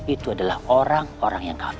itu adalah orang orang yang kami